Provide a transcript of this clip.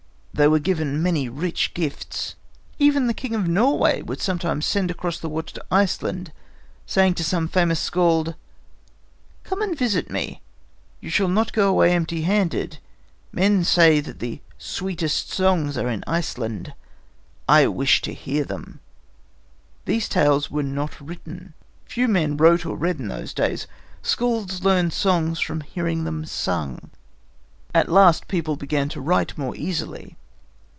They were given many rich gifts. Even the King of Norway would sometimes send across the water to Iceland, saying to some famous skald: "Come and visit me. You shall not go away empty handed. Men say that the sweetest songs are in Iceland. I wish to hear them." These tales were not written. Few men wrote or read in those days. Skalds learned songs from hearing them sung. At last people began to write more easily.